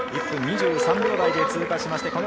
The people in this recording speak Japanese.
１分２３秒台で通過しました。